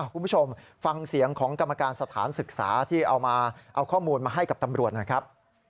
คุณผู้ชมฟังเสียงของกรรมการสถานศึกษาที่เอามาเอาข้อมูลมาให้กับตำรวจหน่อยครับ